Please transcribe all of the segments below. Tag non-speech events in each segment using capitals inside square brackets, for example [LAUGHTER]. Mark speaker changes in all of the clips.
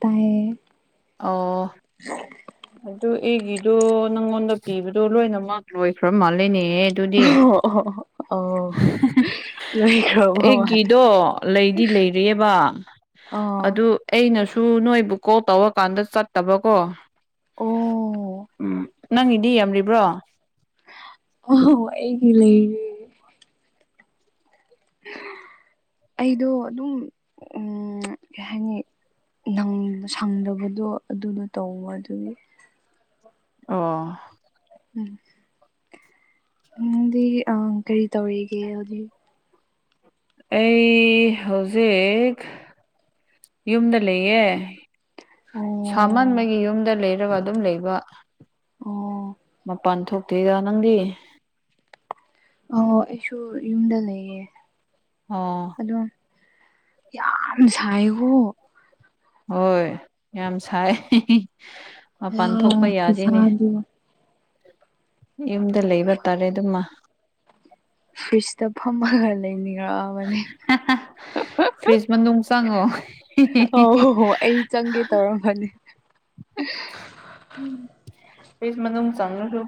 Speaker 1: ꯇꯥ
Speaker 2: ꯑꯣ ꯑꯗꯨ ꯑꯩꯒꯤꯗꯣ ꯅꯪꯉꯣꯟꯗ ꯄꯤꯕꯗꯣ ꯂꯣꯏꯅꯃꯛ ꯂꯣꯏꯈ꯭ꯔ ꯃꯥꯜꯂꯤꯅꯦꯍ ꯑꯗꯨꯗꯤ
Speaker 1: ꯑꯣ ꯑꯣ ꯑꯣ ꯂꯣꯏꯈ꯭ꯔꯕ ꯃꯥꯜꯂꯦ
Speaker 2: ꯑꯩꯒꯤꯗꯣ ꯂꯩꯗꯤ ꯂꯩꯔꯤꯑꯕ
Speaker 1: ꯑꯥ
Speaker 2: ꯑꯗꯨ ꯑꯩꯅꯁꯨ ꯅꯣꯏꯕꯨ ꯀꯣꯜ ꯇꯧꯔꯀꯥꯟꯗ ꯆꯠꯇꯕꯀꯣ
Speaker 1: ꯑꯣ
Speaker 2: ꯎꯝ ꯅꯪ ꯏꯗꯤ ꯌꯥꯝꯔꯤꯕ꯭ꯔꯣ
Speaker 1: ꯑꯣ ꯑꯩꯒꯤ ꯂꯩꯔꯦ ꯑꯩꯗꯣ ꯑꯗꯨꯝ ꯀꯩ ꯍꯥꯏꯅꯤ ꯁꯪꯗꯕꯗꯣ ꯑꯗꯨꯅ ꯇꯧꯉ ꯑꯗꯨꯒꯤ
Speaker 2: ꯑꯣ
Speaker 1: ꯎꯝ ꯅꯪꯗꯤ ꯑ ꯀꯔꯤ ꯇꯧꯔꯤꯒꯦ ꯍꯧꯖꯤ
Speaker 2: ꯑꯩ ꯍꯧꯖꯤꯛ ꯌꯨꯝꯗ ꯂꯩꯌꯦ
Speaker 1: ꯑꯣ
Speaker 2: ꯁꯥꯃꯟꯕꯒꯤ ꯌꯨꯝꯗ ꯂꯩꯔꯒ ꯑꯗꯨꯝ ꯂꯩꯕ
Speaker 1: ꯑꯣ
Speaker 2: ꯃꯄꯥꯟ ꯊꯣꯛꯇꯦꯗ ꯅꯪꯗꯤ
Speaker 1: ꯑꯣ ꯑꯩꯁꯨ ꯌꯨꯝꯗ ꯂꯩꯌꯦ
Speaker 2: ꯑꯣ
Speaker 1: ꯑꯗꯨꯝ ꯌꯥꯝ ꯁꯥꯏꯌꯦ ꯀꯣ
Speaker 2: ꯍꯣꯏ ꯌꯥꯝ ꯁꯥꯏ ꯃꯄꯥꯟ ꯊꯣꯛꯄ
Speaker 1: ꯑꯥ
Speaker 2: ꯌꯥꯗꯦꯅꯦ
Speaker 1: ꯈꯨꯁꯥꯗꯣ
Speaker 2: ꯌꯨꯝꯗ ꯂꯩꯕ ꯇꯥꯔꯦ ꯑꯗꯨꯃ
Speaker 1: ꯐ꯭ꯔꯤꯖꯇ ꯐꯝꯃꯒ ꯂꯩꯅꯤꯡꯉꯛꯑꯥꯕꯅꯦ
Speaker 2: ꯍꯥ ꯍꯥ ꯐ꯭ꯔꯤꯖ ꯃꯅꯨꯡ ꯆꯪꯑꯣ
Speaker 1: ꯐꯅꯤ
Speaker 2: ꯐꯤꯁ ꯃꯅꯨꯡ ꯆꯪꯉꯁꯨ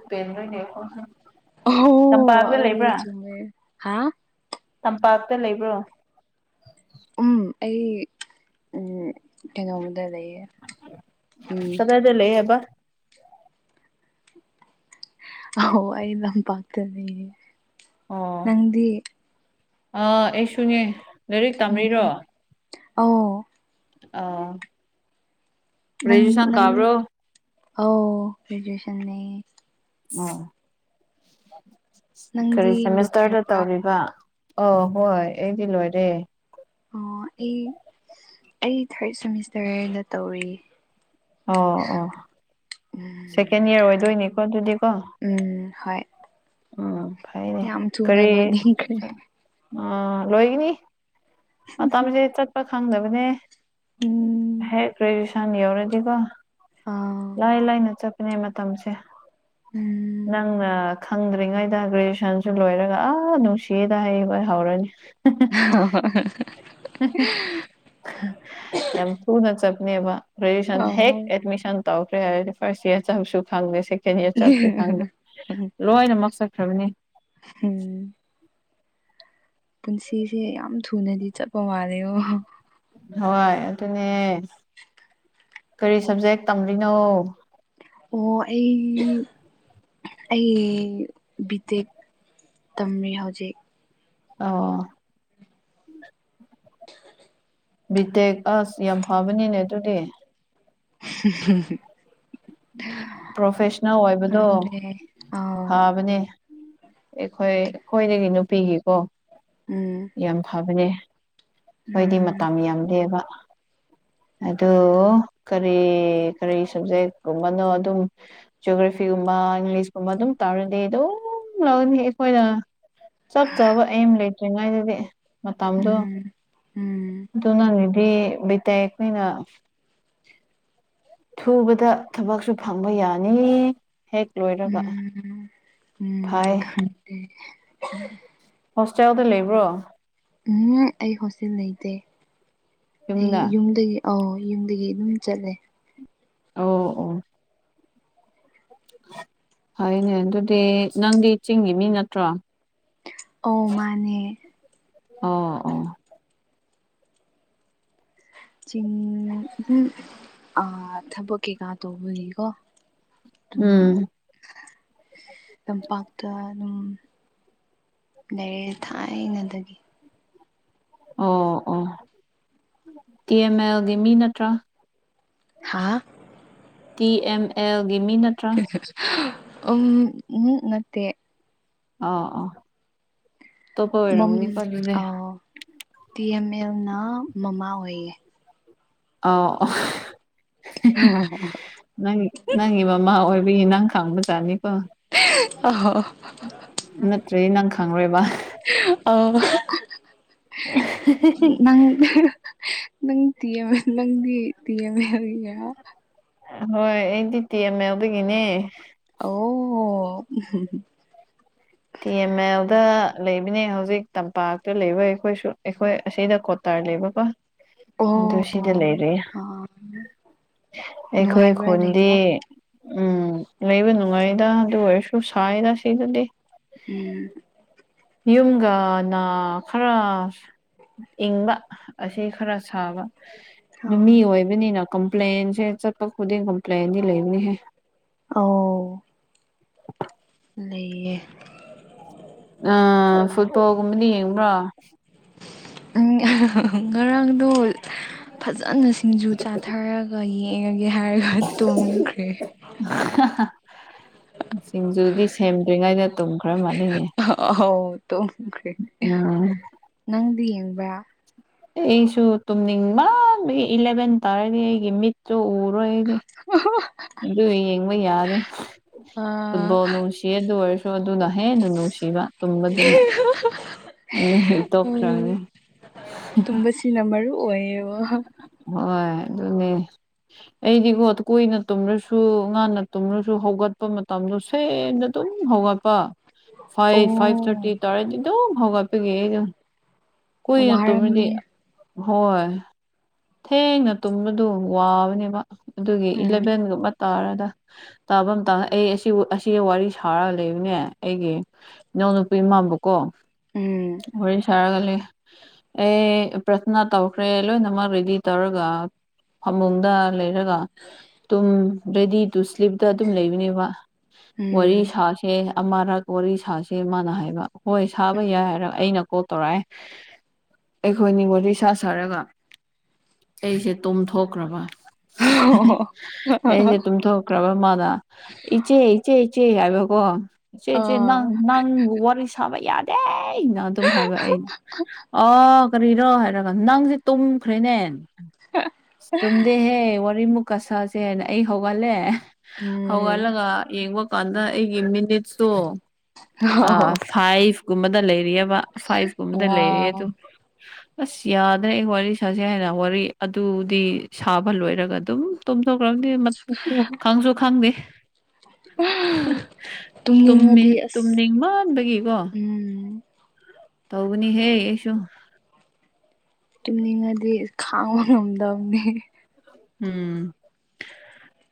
Speaker 1: ꯑꯣ
Speaker 2: ꯇꯝꯄꯥꯛꯇ
Speaker 1: ꯑꯧ
Speaker 2: ꯂꯩꯕ꯭ꯔꯥ
Speaker 1: ꯆꯨꯝꯃꯦ ꯍꯥ
Speaker 2: ꯇꯝꯄꯥꯛꯇ ꯂꯩꯕ꯭ꯔꯥ
Speaker 1: ꯎꯝ ꯑꯩ ꯀꯩꯅꯣꯗ ꯂꯩꯌꯦ ꯎꯝ
Speaker 2: ꯀꯗꯥꯗ ꯂꯩꯌꯦꯕ
Speaker 1: ꯍꯣ ꯑꯩ ꯂꯝꯄꯥꯛꯇ ꯂꯩꯌꯦ ꯅꯪꯗꯤ
Speaker 2: ꯑ ꯑꯩꯁꯨꯨꯅꯦ
Speaker 1: ꯎꯝ ꯑꯣ
Speaker 2: ꯑ
Speaker 1: ꯅꯪ ꯅꯪ
Speaker 2: ꯀꯥꯕ꯭ꯔꯣ
Speaker 1: ꯑꯧ ꯒ꯭ꯔꯦꯖꯨꯑꯦꯁꯟ ꯅꯦ
Speaker 2: ꯑꯣ ꯀꯔꯤ
Speaker 1: ꯅꯪꯗꯤ
Speaker 2: ꯁꯦꯃꯤꯁꯇ꯭ꯔꯗ
Speaker 1: ꯂꯣꯏꯔꯕ꯭ꯔꯥ
Speaker 2: ꯇꯧꯔꯤꯕ ꯑꯣ ꯍꯣꯏ ꯑꯩꯗꯤ ꯂꯣꯏꯔꯦ
Speaker 1: ꯑꯣ ꯑꯩ ꯑꯩ ꯊꯥꯔꯠ ꯁꯦꯃꯤꯁꯇ꯭ꯔꯗ ꯇꯧꯔꯤ
Speaker 2: ꯑꯣ ꯑꯣ
Speaker 1: ꯎꯝ
Speaker 2: ꯁꯦꯀꯦꯟ ꯏꯌꯥꯔ ꯑꯣꯏꯗꯣꯏꯅꯤꯀꯣ ꯑꯗꯨꯗꯤꯀꯣ
Speaker 1: ꯎꯝ ꯍꯣꯏ
Speaker 2: ꯎꯝ ꯐꯩꯅꯦ
Speaker 1: ꯌꯥꯝ ꯊꯨꯅ
Speaker 2: ꯀꯔꯤ
Speaker 1: ꯂꯣꯏꯅꯤꯡꯈ꯭ꯔꯦ
Speaker 2: ꯑꯥ ꯂꯣꯏꯒꯤꯅꯤ ꯃꯇꯝꯁꯦ ꯆꯠꯄ ꯈꯪꯗꯕꯅꯦ
Speaker 1: ꯎꯝ
Speaker 2: ꯍꯦꯛ ꯒ꯭ꯔꯦꯖꯨꯑꯦꯁꯟ ꯌꯧꯔꯗꯤ ꯀꯣ
Speaker 1: ꯑꯥ
Speaker 2: ꯂꯥꯏ ꯂꯥꯏꯅ ꯆꯠꯄꯅꯦ ꯃꯇꯝꯁꯦ
Speaker 1: ꯎꯝ
Speaker 2: ꯅꯪꯅ ꯈ ꯈꯪꯗ꯭ꯔꯤꯉꯩꯗ ꯒ꯭ꯔꯦꯖꯨꯑꯦꯁꯟꯁꯨ ꯂꯣꯏꯔꯒ ꯑꯥ ꯅꯨꯡꯁꯤꯌꯦꯗ ꯍꯥꯏꯕ ꯍꯧꯔꯅꯤ
Speaker 1: ꯍꯥ ꯍꯥ
Speaker 2: ꯌꯥꯝ ꯊꯨꯅ ꯆꯞꯄꯅꯦꯕ
Speaker 1: ꯑ
Speaker 2: ꯒ꯭ꯔꯦꯖꯨꯑꯦꯁꯟ ꯍꯦꯛ
Speaker 1: ꯍꯣꯏ
Speaker 2: ꯑꯦꯠꯃꯤꯁꯟ ꯇꯧꯈ꯭ꯔꯦ ꯍꯥꯏꯔꯗꯤ ꯐꯥꯔꯁ ꯏꯌꯥꯔ ꯆꯠꯁꯨ ꯈꯪꯗꯦ ꯁꯦꯀꯦꯟ ꯏꯌꯥꯔ ꯆꯝꯁꯨ ꯈꯪꯗꯦ ꯂꯣꯏꯅꯃꯛ ꯆꯠꯈ꯭ꯔꯕꯅꯤ
Speaker 1: ꯍꯝ ꯄꯨꯟꯁꯤꯁꯦ ꯌꯥꯝ ꯊꯨꯅꯗꯤ ꯆꯠꯄ ꯃꯥꯂꯦ ꯀꯣ
Speaker 2: ꯍꯣꯏ ꯑꯗꯨꯅꯦ ꯀꯔꯤ ꯁꯕꯖꯦꯛ ꯇꯝꯂꯤꯅꯣ
Speaker 1: ꯑꯣ ꯑꯩ ꯑꯩ ꯕꯤ. ꯇꯦꯛ ꯇꯝꯃꯤ ꯍꯧꯖꯤꯛ
Speaker 2: ꯑꯧ ꯕꯤ. ꯇꯦꯛ ꯑꯁ ꯌꯥꯝ ꯐꯕꯅꯤꯅꯦ ꯑꯗꯨꯗꯤ
Speaker 1: [UNINTELLIGIBLE]
Speaker 2: ꯄ꯭ꯔꯣꯐꯦꯁꯅꯦꯜ ꯑꯣꯏꯕꯗꯣ
Speaker 1: ꯈꯪꯗ꯭ꯔꯦ ꯑꯥꯎ
Speaker 2: ꯐꯥꯕꯅꯦ ꯑꯩꯈꯣꯏ ꯑꯩꯈꯣꯏꯗꯒꯤ ꯅꯨꯄꯤꯒꯤꯀꯣ
Speaker 1: ꯎꯝ
Speaker 2: ꯌꯥꯝ ꯐꯕꯅꯦ ꯑꯩꯈꯣꯏꯗꯤ
Speaker 1: ꯎꯝ
Speaker 2: ꯃꯇꯝ ꯌꯥꯝ ꯗꯦꯕ ꯑꯗꯣ ꯀꯔꯤ ꯀꯔꯤ ꯁꯕꯖꯦꯛꯀꯨꯝꯕꯅꯣ ꯑꯗꯨꯝ ꯖꯤꯑꯣꯒ꯭ꯔꯥꯐꯤꯒꯨꯝꯕ ꯏꯪꯂꯤꯁꯀꯨꯝꯕ ꯑꯗꯨꯝ ꯇꯧꯔꯗꯤ ꯑꯗꯨꯝ ꯂꯧꯔꯅꯤ ꯑꯩꯈꯣꯏꯅ ꯆꯠ ꯆꯥꯕ ꯑꯦꯝ ꯂꯩꯇ꯭ꯔꯤ ꯉꯩꯗꯗꯤ ꯃꯇꯝꯗꯣ
Speaker 1: ꯎꯝ ꯎꯝ
Speaker 2: ꯑꯗꯨ ꯅꯪꯒꯤꯗꯤ ꯕꯤ ꯇꯦꯛ ꯑꯩꯈꯣꯏꯅ ꯊꯨꯕꯗ ꯊꯕꯛꯁꯨ ꯐꯪꯕ ꯌꯥꯅꯤ ꯍꯦꯛ ꯂꯣꯏꯔꯒ
Speaker 1: ꯎꯝ ꯎꯝ
Speaker 2: ꯍꯣꯏ
Speaker 1: ꯑꯝ
Speaker 2: ꯍꯣꯁꯇꯦꯜꯗ ꯂꯩꯕ꯭ꯔꯣ
Speaker 1: ꯎꯝ ꯑꯩ ꯍꯣꯁꯇꯦꯜ ꯂꯩꯇꯦ ꯑꯩ
Speaker 2: ꯌꯨꯝꯗ
Speaker 1: ꯌꯨꯝꯗꯒꯤ ꯑꯧ ꯌꯨꯝꯗꯒꯤ ꯑꯗꯨꯝ ꯆꯠꯂꯦ
Speaker 2: ꯑꯣ ꯑꯣ ꯐꯩꯏꯅꯦ ꯑꯗꯨꯗꯤ ꯅꯪꯗꯤ ꯆꯤꯡꯒꯤ ꯃꯤ ꯅꯠꯇ꯭ꯔꯣ
Speaker 1: ꯑꯧ ꯃꯥꯅꯦ
Speaker 2: ꯑꯣ ꯑꯣ
Speaker 1: ꯆꯤꯡꯗ ꯑꯥ ꯊꯕꯛ ꯀꯩꯀꯥ ꯇꯧꯕꯒꯤꯀꯣ ꯑꯗꯨꯝ
Speaker 2: ꯎꯝ
Speaker 1: ꯇꯝꯄꯥꯛꯇ ꯑꯗꯨꯝ ꯂꯩꯔꯦ ꯊꯥꯏꯅꯗꯒꯤ
Speaker 2: ꯑꯣ ꯑꯣ ꯇꯤ. ꯑꯦꯝ. ꯑꯦꯜ. ꯒꯤ ꯃꯤ ꯅꯠꯇ꯭ꯔꯥ
Speaker 1: ꯍꯥꯥ.....
Speaker 2: ꯇꯤ ꯑꯦꯝ ꯑꯦꯜꯒꯤ ꯃꯤ ꯅꯠꯇ꯭ꯔꯥ
Speaker 1: ꯎꯝ ꯎꯝ ꯅꯠꯇꯦ
Speaker 2: ꯑ ꯑ ꯇꯣꯞꯄ
Speaker 1: ꯃꯝ
Speaker 2: ꯑꯣꯏꯔꯝꯒꯅꯤꯀꯣ ꯑꯗꯨꯗꯤ
Speaker 1: ꯑꯥꯎ ꯇꯤ ꯑꯦꯝ ꯑꯦꯜꯅ ꯃꯃꯥ ꯑꯣꯏꯌꯦ
Speaker 2: ꯑꯣ [UNINTELLIGIBLE] ꯅꯪ ꯅꯪꯒꯤ ꯃꯃꯥ ꯑꯣꯏꯕꯒꯤ ꯅꯪ ꯈꯥꯡꯕꯖꯥꯠꯅꯤꯀꯣ
Speaker 1: [UNINTELLIGIBLE] ꯑꯣ
Speaker 2: ꯅꯠꯇ꯭ꯔꯗꯤ ꯅꯪ ꯈꯪꯔꯣꯏꯕ
Speaker 1: ꯑꯣ ꯅꯪ ꯅꯪ ꯇꯤ ꯑꯦꯝ ꯑꯦꯜ ꯅꯪꯒꯤ ꯇꯤ ꯑꯦꯝ ꯑꯦꯜ ꯒꯤꯔꯥ
Speaker 2: ꯍꯣꯏ ꯑꯩꯗꯤ T M L ꯗꯒꯤꯅꯦ
Speaker 1: O [UNINTELLIGIBLE]
Speaker 2: T M ꯑꯦꯜꯗ ꯂꯩꯕꯅꯦ ꯍꯧꯖꯤꯛ ꯇꯝꯄꯥꯛꯇ ꯂꯩꯕ ꯑꯩꯈꯣꯏꯁꯨ ꯑꯩꯈꯣꯏ ꯑꯁꯤꯗ ꯀ꯭ꯋꯥꯇꯥꯔ ꯂꯩꯕ ꯀꯣ ꯗꯨ
Speaker 1: ꯑꯣ
Speaker 2: ꯁꯤꯗ ꯂꯩꯔꯦ
Speaker 1: ꯑ
Speaker 2: ꯑꯩꯈꯣꯏ
Speaker 1: ꯅꯨꯡꯉꯥꯏꯕ꯭ꯔꯥ
Speaker 2: ꯈꯨꯟꯗꯤ
Speaker 1: ꯂꯩꯕ
Speaker 2: ꯎꯝ ꯂꯩꯕ ꯅꯨꯡꯉꯥꯏꯗ ꯑꯗꯨ ꯑꯣꯏꯔꯁꯨ ꯁꯥꯌꯦꯗ ꯁꯤꯗꯗꯤ
Speaker 1: ꯎꯝ
Speaker 2: ꯌꯨꯝꯒꯅ ꯈꯔ ꯏꯪꯕ ꯑꯁꯤ ꯈꯔ ꯁꯥꯕ
Speaker 1: ꯑ
Speaker 2: ꯅꯨꯃꯤ ꯑꯣꯏꯕ ꯑꯣꯏꯕꯅꯤꯅ ꯀꯝꯄ꯭ꯂꯦꯟꯁꯦ ꯆꯠꯄ ꯈꯨꯗꯤꯡ ꯀꯝꯄ꯭ꯂꯦꯟꯗꯤ ꯂꯩꯕꯅꯤꯍꯦ
Speaker 1: ꯑꯣ ꯂꯩꯌꯦ
Speaker 2: ꯑ ꯐꯨꯠꯕꯣꯜꯒꯨꯝꯕꯅ ꯌꯦꯡꯕ꯭ꯔꯣ
Speaker 1: ꯉꯔꯥꯡꯗꯣ ꯐꯖꯅ ꯁꯤꯡꯖꯨ ꯆꯥꯊꯔꯒ ꯑꯗꯨꯒ ꯌꯦꯡꯉꯒꯦ ꯍꯥꯏꯔꯒ ꯇꯨꯝꯈ꯭ꯔꯦ
Speaker 2: ꯍꯥ ꯍꯥ ꯁꯤꯡꯖꯨꯗꯤ ꯁꯦꯝꯗ꯭ꯔꯤꯉꯩꯗ ꯇꯨꯝ ꯈꯔ ꯃꯥꯜꯂꯤꯅꯦ
Speaker 1: ꯑꯍꯧ ꯇꯨꯝꯈ꯭ꯔꯦ
Speaker 2: ꯎꯝ
Speaker 1: ꯅꯪꯗꯤ ꯌꯦꯡꯕ꯭ꯔꯥ
Speaker 2: ꯑꯩꯁꯨ ꯇꯨꯝꯅꯤꯡꯃꯟꯕꯒꯤ ꯏꯂꯚꯦꯟ ꯇꯥꯔꯗꯤ ꯑꯩꯒꯤ ꯃꯤꯠꯇꯨ ꯎꯔꯣꯏ ꯑꯩꯗꯤ
Speaker 1: ꯑ [UNINTELLIGIBLE]
Speaker 2: ꯑꯗꯨ ꯌꯦꯡꯕ ꯌꯥꯔꯦ
Speaker 1: ꯑ
Speaker 2: ꯐꯨꯠꯕꯣꯜ ꯅꯨꯡꯁꯤ ꯑꯗꯨ ꯑꯣꯏꯔꯁꯨ ꯑꯗꯨꯅ ꯍꯦꯟꯅ ꯅꯨꯡꯁꯤꯕ ꯇꯨꯝꯕꯗꯨꯅ
Speaker 1: ꯎꯝ
Speaker 2: ꯍꯦꯟꯇꯣꯛꯈ꯭ꯔꯥꯅꯤ
Speaker 1: [UNINTELLIGIBLE]
Speaker 2: ꯍꯣꯏ ꯑꯗꯨꯅꯦ ꯑꯩꯗꯤꯀꯣ ꯀꯣꯏꯅ ꯇꯨꯝꯔꯁꯨ ꯉꯥꯅ ꯇꯨꯝꯔꯁꯨ ꯍꯧꯒꯠꯄ ꯃꯇꯝꯗꯣ ꯁꯦꯝꯗ ꯇꯝ ꯍꯧꯒꯠꯄ ꯐꯥꯏꯚ ꯐꯥꯏꯚ
Speaker 1: ꯑꯣ
Speaker 2: ꯊꯥꯔꯇꯤ ꯇꯔꯦ ꯑꯗꯨꯝ ꯍꯧꯒꯠꯄꯒꯤ ꯀꯣꯏꯅꯥ ꯇꯨꯝꯃꯗꯤ
Speaker 1: ꯋꯥꯔꯝꯅꯤ
Speaker 2: ꯍꯣꯏ ꯊꯦꯡꯅ ꯇꯨꯝꯕꯗꯨ ꯋꯥꯕꯅꯦꯕ ꯑꯗꯨꯒꯤ
Speaker 1: ꯎꯝ
Speaker 2: ꯏꯂꯚꯦꯟꯒꯨꯝꯕ ꯇꯥꯔꯗ ꯇꯥꯔ ꯂꯩꯕ ꯃꯇꯝ ꯑꯩ ꯑꯁꯤ ꯋꯥꯔꯤ ꯁꯥꯔꯒ ꯂꯩꯕꯅꯦ ꯑꯩꯒꯤ ꯏꯅꯥꯎꯅꯨꯄꯤ ꯏꯃꯥꯕꯀꯣ
Speaker 1: ꯎꯝ
Speaker 2: ꯋꯥꯔꯤ ꯁꯥꯔꯒ ꯂꯩ ꯑꯦ ꯄ꯭ꯔꯊꯅꯥ ꯇꯧꯈ꯭ꯔꯦ ꯂꯣꯏꯅ ꯗꯤ ꯇꯧꯔꯒ ꯐꯃꯨꯡꯗ ꯂꯩꯔꯒ ꯇꯨꯝ ꯔꯦꯗꯤ ꯇꯨ ꯁ꯭ꯂꯤꯞꯇ ꯑꯗꯨꯝ ꯂꯩꯕꯅꯦꯕ ꯋꯥꯔꯤ
Speaker 1: ꯎꯝ
Speaker 2: ꯁꯥꯁꯦ ꯑꯃꯔꯛ ꯋꯥꯔꯤ ꯁꯥꯁ ꯃꯥꯅ ꯍꯥꯏꯕ ꯍꯣꯏ ꯁꯥꯕ ꯌꯥꯏ ꯍꯥꯏꯔꯒ ꯑꯩꯅ ꯀꯣ ꯇꯧꯔꯛꯑꯦ ꯑꯩꯈꯣꯏ ꯅꯤ ꯋꯥꯔꯤ ꯁꯥ ꯁꯥꯔꯒ ꯑꯩꯁꯦ ꯇꯨꯝꯊꯣꯛꯈ꯭ꯔꯕ ꯑꯩꯁꯦ ꯇꯨꯝꯊꯣꯛ ꯭ꯔꯕꯃꯗ ꯏꯆꯦ ꯏꯆꯦ ꯏꯆꯦ ꯍꯥꯏꯕꯀꯣ ꯏꯆꯦꯆꯦ ꯅꯪ
Speaker 1: ꯑꯥ
Speaker 2: ꯅꯪꯕꯨ ꯋꯥꯔꯤ ꯁꯥꯕ ꯌꯥꯗꯦ ꯇ ꯑꯩꯅ ꯑꯗꯨꯝ ꯍꯥꯏꯕ ꯑꯩꯅ ꯑꯣ ꯀꯔꯤꯔꯣ ꯍꯥꯏꯔꯒꯥ ꯅꯪꯁꯦ ꯇꯨꯝ ꯈ꯭ꯔꯦꯅꯦ ꯇꯨꯝꯗꯦꯍꯦ ꯋꯥꯔꯤꯃꯨꯛ ꯀꯁꯥꯁꯦꯅ ꯑꯩ ꯍꯧꯒꯠꯂꯦ
Speaker 1: ꯎꯝ
Speaker 2: ꯍꯧꯒꯠꯂꯒ ꯌꯦꯡꯕ ꯀꯥꯟꯗ ꯑꯩꯒꯤ ꯃꯤꯅꯤꯠꯁꯨ ꯐꯥꯏꯚ ꯀꯨꯝꯕꯗ ꯂꯩꯔꯤꯑꯕ ꯐꯥꯏꯚ ꯀꯨꯝꯗ ꯂꯩꯔꯤ
Speaker 1: ꯋꯥ
Speaker 2: ꯇꯨꯝ ꯑꯁ ꯌꯥꯗ꯭ꯔꯦ ꯑꯩ ꯋꯥꯔꯤ ꯁꯥꯁꯦ ꯍꯥꯏꯅ ꯋꯥꯔꯤ ꯑꯗꯨꯗꯤ ꯁꯥꯕ ꯂꯣꯏꯔꯒ ꯑꯗꯨꯝ ꯇꯨꯝꯊꯣꯛꯈ꯭ꯔꯕꯗꯤ ꯈꯪꯁꯨ ꯈꯪꯗꯦ ꯇꯨꯨꯝꯃꯤ
Speaker 1: ꯇꯨꯝꯅꯤꯡꯉꯗꯤ ꯑꯁ
Speaker 2: ꯇꯨꯝꯅꯤꯡ ꯃꯥꯟꯕꯒꯤꯀꯣ
Speaker 1: ꯎꯝ
Speaker 2: ꯇꯧꯕꯅꯤꯍꯦ ꯑꯩꯁꯨ
Speaker 1: ꯇꯨꯝꯅꯤꯡꯉꯗꯤ ꯈꯥꯡꯕ ꯉꯝꯗꯕꯅꯤ
Speaker 2: ꯎꯝ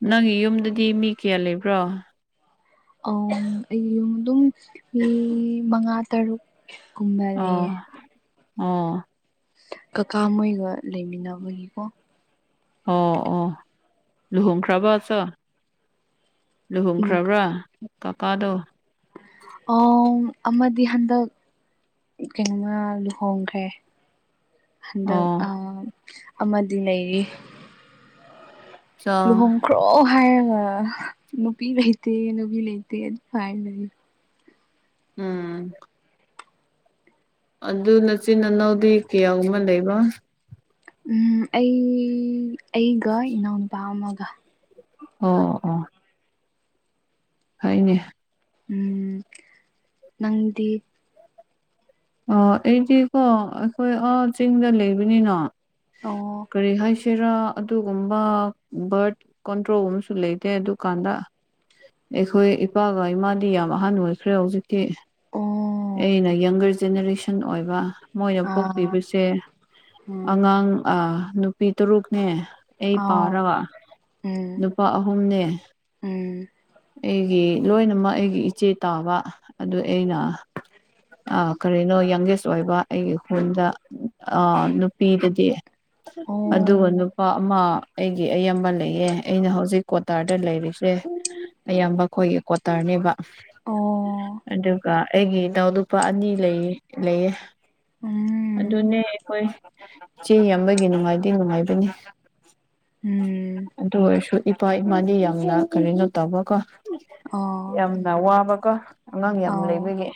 Speaker 2: ꯅꯪꯒꯤ ꯌꯨꯝꯗꯗꯤ ꯃꯤ ꯀꯌꯥ ꯂꯩꯕ꯭ꯔꯣ
Speaker 1: ꯑ ꯑꯩ ꯌꯨꯝ ꯑꯗꯨꯝ ꯃꯤ ꯃꯉꯥ ꯇꯔꯨꯛ ꯀꯨꯝꯕ
Speaker 2: ꯑ ꯑꯣ
Speaker 1: ꯀꯥꯀꯥ ꯃꯣꯏꯒ ꯂꯩꯃꯤꯟꯅꯕꯒꯤꯀꯣ
Speaker 2: ꯑꯣ ꯑꯣ ꯂꯨꯍꯣꯡꯈ꯭ꯔꯕ
Speaker 1: ꯎꯝ
Speaker 2: ꯂꯨꯍꯣꯡꯈ꯭ꯔꯕ꯭ꯔꯥ ꯀꯀꯥꯗꯣ
Speaker 1: ꯑ ꯑꯃꯗꯤ ꯍꯟꯗꯛ ꯀꯩꯅꯣꯃ ꯂꯨꯍꯣꯡꯈ꯭ꯔꯦ ꯍꯟꯗꯛ ꯑ
Speaker 2: ꯑꯣ
Speaker 1: ꯑꯃꯗꯤ ꯂꯩꯔꯤ
Speaker 2: ꯆꯥ
Speaker 1: ꯂꯨꯍꯣꯡꯈ꯭ꯔꯣ ꯍꯥꯏꯔꯒ ꯅꯨꯄꯤ ꯂꯩꯇꯦ ꯅꯨꯄꯤ ꯂꯩꯇꯦ ꯑꯗꯨ ꯍꯥꯏꯔꯒꯗꯤ
Speaker 2: ꯎꯝ ꯑꯗꯨ ꯅꯆꯤꯟ ꯅꯅꯥꯎꯗꯤ ꯀꯌꯥꯒꯨꯝꯕ ꯂꯩꯕ
Speaker 1: ꯎꯝ ꯑꯩ ꯑꯩꯒ ꯏꯅꯥꯎꯅꯨꯄꯥ ꯑꯃꯒ
Speaker 2: ꯑꯣ ꯑꯣ ꯍꯣꯏꯅꯦ
Speaker 1: ꯎꯝ ꯅꯪꯗꯤ
Speaker 2: ꯑꯣ ꯑꯩꯗꯤꯀꯣ ꯑꯩꯈꯣꯏ ꯆꯤꯡꯗ ꯂꯩꯕꯅꯤꯅ
Speaker 1: ꯑꯣ
Speaker 2: ꯀꯔꯤ ꯍꯥꯏꯁꯤ ꯆꯦꯔꯥ ꯑꯗꯨꯒꯨꯝꯕ ꯕꯔꯠ ꯀꯣꯟꯇ꯭ꯔꯣꯜꯒꯨꯝꯁꯨ ꯂꯩꯇꯦ ꯑꯗꯨꯀꯥꯟꯗ ꯑꯩꯈꯣꯏ ꯏꯄꯥꯒ ꯏꯃꯥꯗꯤ ꯌꯥꯝ ꯑꯍꯟ ꯑꯣꯏꯈ꯭ꯔꯦ ꯍꯧꯖꯤꯛꯇꯤ
Speaker 1: ꯑꯣ
Speaker 2: ꯑꯩꯅ ꯌꯪꯒꯔ ꯖꯦꯅꯦꯔꯦꯁꯟ ꯑꯣꯏꯕ ꯃꯣꯏꯅ
Speaker 1: ꯑꯥ
Speaker 2: ꯄꯣꯛꯄꯤꯕꯁꯦ
Speaker 1: ꯎꯝ
Speaker 2: ꯑꯉꯥꯡ ꯅꯨꯄꯤ ꯇꯔꯨꯛꯅꯦ ꯑꯩ
Speaker 1: ꯑꯥꯎ
Speaker 2: ꯄꯥꯔꯒ
Speaker 1: ꯎꯝ
Speaker 2: ꯅꯨꯄꯥ ꯑꯍꯨꯝꯅꯦ
Speaker 1: ꯎꯝ
Speaker 2: ꯑꯩꯒꯤ ꯂꯣꯏꯅꯃꯛ ꯑꯩꯒꯤ ꯏꯆꯦ ꯇꯥꯕ ꯑꯗꯨ ꯑꯩꯅ ꯀꯔꯤꯅꯣ ꯌꯪꯒꯦꯁ ꯑꯣꯏꯕ ꯑꯩꯒꯤ ꯍꯜꯗ ꯅꯨꯄꯤꯗꯗꯤ ꯑꯗꯨꯒ
Speaker 1: ꯑꯣ
Speaker 2: ꯅꯨꯄꯥ ꯑꯃ ꯑꯩꯒꯤ ꯑꯌꯥꯝꯕ ꯂꯩꯌꯦꯦ ꯑꯩꯅ ꯍꯧꯖꯤꯛ ꯀ꯭ꯣꯇꯥꯔꯗ ꯂꯩꯔꯤꯁꯦ ꯑꯌꯥꯝꯕ ꯑꯩꯈꯣꯏꯒꯤ ꯀꯣꯇꯔꯅꯦꯕ
Speaker 1: ꯑꯣ
Speaker 2: ꯑꯗꯨꯒ ꯑꯩꯒꯤ ꯏꯅꯥꯎ ꯅꯨꯄꯥ ꯑꯅꯤ ꯂꯩ ꯂꯩꯌꯦ
Speaker 1: ꯎꯝ
Speaker 2: ꯑꯗꯨꯅꯦ ꯑꯩꯈꯣꯏ ꯏꯆꯦ ꯌꯥꯝꯕꯒꯤ ꯅꯨꯡꯉꯥꯏꯗꯤ ꯅꯨꯡꯉꯥꯏꯕꯅꯤ
Speaker 1: ꯎꯝ
Speaker 2: ꯑꯗꯨ ꯑꯣꯏꯔꯁꯨ ꯏꯄꯥ ꯏꯃꯥꯅꯤ ꯌꯥꯝꯅ ꯀꯔꯤꯅꯣ ꯇꯧꯕꯀꯣ
Speaker 1: ꯑꯣ
Speaker 2: ꯋꯥꯕꯀ ꯑꯉꯥꯡ ꯌꯥꯝ
Speaker 1: ꯑꯧ
Speaker 2: ꯂꯩꯕꯒꯤ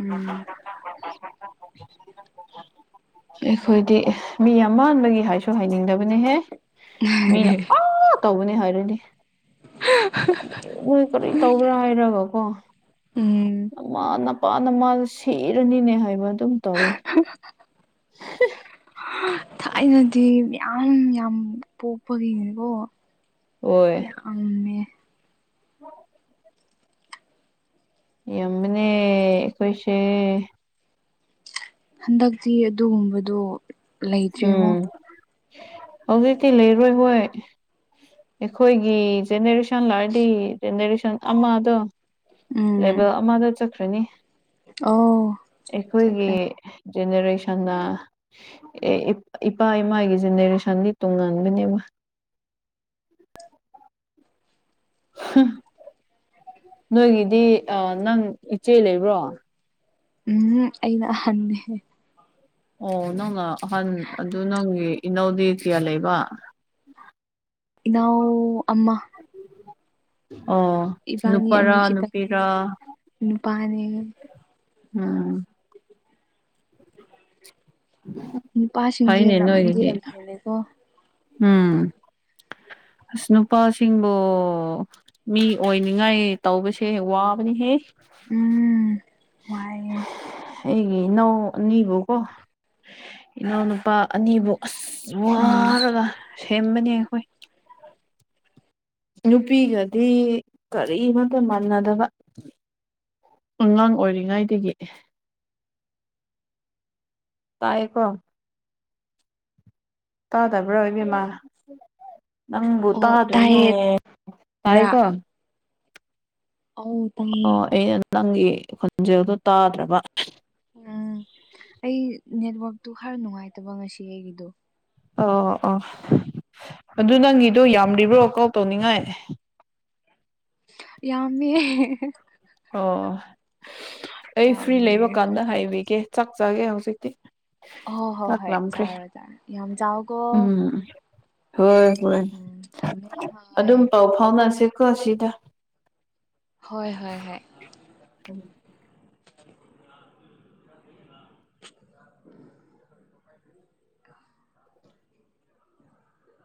Speaker 1: ꯎꯝ
Speaker 2: ꯑꯩꯈꯣꯏꯗꯤ ꯃꯤ ꯌꯥꯝꯃꯟꯕꯒꯤ ꯍꯥꯏꯁꯨ ꯍꯥꯏꯅꯤꯡꯗꯕꯅꯦꯍꯦ ꯃꯤꯅ ꯑꯥ ꯇꯧꯕꯅꯦ ꯍꯥꯏꯔꯗꯤ ꯃꯣꯏ ꯀꯔꯤ ꯇꯧꯕ꯭ꯔꯥ ꯍꯥꯏꯔꯒꯀꯣ
Speaker 1: ꯎꯝ
Speaker 2: ꯃꯥꯅ ꯃꯥꯅ ꯁꯤꯔꯅꯤꯅꯦ ꯍꯥꯏꯕ ꯑꯗꯨꯝ ꯇꯧꯔꯅꯤ
Speaker 1: ꯊꯥꯏꯅꯗꯤ ꯌꯥꯝ ꯌꯥꯝ ꯄꯣꯛꯄꯒꯤꯅꯤꯀꯣ
Speaker 2: ꯑꯣꯏ
Speaker 1: [UNINTELLIGIBLE]
Speaker 2: [UNINTELLIGIBLE] ꯌꯕꯅꯦ ꯑꯩꯈꯣꯏꯁꯦ
Speaker 1: ꯍꯟꯗꯛꯇꯤ ꯑꯗꯨꯒꯨꯝꯕꯗꯣ ꯂꯩꯇ꯭ꯔꯦꯉꯣ
Speaker 2: ꯎꯝ ꯍꯧꯖꯤꯛꯇꯤ ꯂꯩꯔꯣꯏ ꯍꯣꯏ ꯑꯩꯈꯣꯏꯒꯤ ꯖꯦꯅꯦꯔꯦꯁꯟ ꯂꯔꯗꯤ ꯖꯦꯅꯦꯔꯦꯁꯟ ꯑꯃꯗꯣ
Speaker 1: ꯎꯝ
Speaker 2: ꯂꯦꯚꯦꯜ ꯑꯃꯗ ꯆꯠꯈ꯭ꯔꯅꯤ
Speaker 1: ꯑꯣ
Speaker 2: ꯑꯩꯈꯣꯏꯒꯤ
Speaker 1: ꯆꯠꯈ꯭ꯔꯦ
Speaker 2: ꯖꯦꯅꯦꯔꯦꯁꯟ ꯑꯦ ꯏꯄꯥ ꯏꯃꯥꯒꯤ ꯖꯦꯅꯦꯔꯦꯁꯟꯗꯤ ꯇꯣꯡꯉꯟꯥꯟꯕꯅꯦꯕ ꯍꯝ ꯅꯣꯏꯒꯤꯗꯤ ꯅꯪ ꯏꯆꯦ ꯂꯩꯕ꯭ꯔꯣ
Speaker 1: ꯎꯝ ꯑꯩꯩꯅ ꯍꯦ
Speaker 2: ꯑꯣ ꯅꯪꯅ ꯑꯍꯟ ꯑꯗꯨ ꯅꯪꯒꯤ ꯏꯅꯧꯗꯤ ꯀꯌꯥ ꯂꯩꯕ
Speaker 1: ꯅꯎ ꯑꯃ
Speaker 2: ꯑꯥ
Speaker 1: ꯏꯕꯥꯅꯤ ꯑꯅꯤ ꯈꯤꯇꯪꯅꯦ ꯅꯨꯄꯥꯅꯤ
Speaker 2: ꯎꯝ
Speaker 1: ꯅꯨꯄꯥꯁꯤꯡꯁꯦ
Speaker 2: ꯐꯩꯅꯦ
Speaker 1: ꯂꯝꯗꯤ
Speaker 2: ꯅꯣꯏꯒꯤꯗꯤ
Speaker 1: ꯂꯝ ꯈꯦꯂꯦꯀꯣ
Speaker 2: ꯎꯝ ꯑꯁ ꯅꯨꯄꯥꯁꯤꯡꯕꯨ ꯃꯤ ꯑꯣꯏꯅꯤꯡꯉꯥꯏ ꯇꯧꯕꯁꯦ ꯋꯥꯕꯅꯤꯍꯦ
Speaker 1: ꯎꯝ ꯋꯥꯏꯌꯦ
Speaker 2: ꯑꯩꯒꯤ ꯅꯧ ꯅꯕꯨ ꯀꯣ ꯏꯅꯥꯎꯅꯨꯄꯥ ꯑꯅꯤꯕꯨ ꯑꯁ
Speaker 1: ꯎꯝ
Speaker 2: ꯋꯥꯔꯒ ꯁꯦꯝꯕꯅꯦ ꯑꯩꯈꯣꯏ ꯅꯨꯄꯤꯒꯗꯤ ꯀꯔꯤꯃꯇ ꯃꯥꯟꯅꯗꯕ ꯑꯉꯥꯡ ꯑꯣꯏꯔꯤꯉꯩꯗꯒꯤ ꯇꯥꯏ ꯀꯣ ꯇꯥ ꯇꯥꯕ꯭ꯔꯥ ꯑꯣꯏꯕꯤꯃ
Speaker 1: ꯑꯣ
Speaker 2: ꯅꯪꯕꯨꯨꯇꯥꯗꯅꯦ
Speaker 1: ꯇꯥꯏꯌꯦ
Speaker 2: ꯍꯥꯏꯥꯏꯀꯣ
Speaker 1: ꯑꯥꯎ
Speaker 2: ꯑꯣ ꯑꯩꯅ ꯅꯪꯒꯤ ꯈꯣꯟꯖꯦꯜꯗꯣ ꯇꯥꯗ꯭ꯔꯕ
Speaker 1: ꯎꯝ ꯑꯩ ꯅꯦꯠꯋꯥꯛꯛꯇꯨ ꯈꯔ ꯅꯨꯡꯉꯥꯏꯇꯕ ꯉꯁꯤ ꯑꯩꯒꯤꯗꯣ
Speaker 2: ꯑꯣ ꯑꯣꯥ ꯑꯗꯨ ꯅꯪꯒꯤꯗꯣ ꯌꯥꯝ꯭ꯔꯤꯕ꯭ꯔꯣ ꯀꯥꯎ ꯇꯧꯅꯤꯡꯉꯥꯏ
Speaker 1: ꯌꯥꯝꯃꯤ
Speaker 2: ꯑꯣ ꯑꯩ ꯐ꯭ꯔꯤ ꯂꯩꯕ
Speaker 1: ꯌꯥꯝꯔꯦ
Speaker 2: ꯀꯥꯟꯗ ꯍꯥꯏꯕꯤꯒꯦ ꯆꯥꯛ ꯆꯒꯦ ꯍꯧꯖꯤꯛꯇꯤ
Speaker 1: ꯑꯣ ꯍꯣ
Speaker 2: ꯆꯥꯛ
Speaker 1: ꯍꯣꯏ
Speaker 2: ꯂꯥꯝꯈ꯭ꯔꯦ
Speaker 1: ꯆꯥꯔꯣ ꯆꯔꯣ ꯌꯥꯝ ꯆꯥꯎꯀꯣ
Speaker 2: ꯎꯝ ꯍꯣꯏ ꯍꯣꯏ
Speaker 1: ꯎꯝ ꯊꯝꯃꯦ ꯍꯣꯏ
Speaker 2: ꯑꯗꯨꯝ ꯄꯥꯎ ꯐꯥꯎꯅꯁꯦꯀꯣ ꯁꯤꯗ
Speaker 1: ꯍꯣꯏ ꯍꯣꯏ ꯍꯣꯏ
Speaker 2: ꯎꯝ